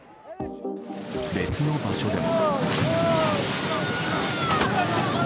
別の場所でも。